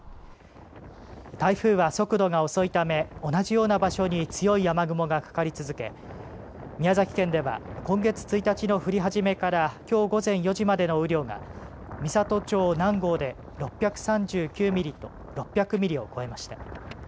台風は速度が遅いため同じような場所に強い雨雲がかかり続け宮崎県では今月１日の降り始めからきょう午前４時までの雨量が美郷町南郷で６３９ミリと６００ミリを超えました。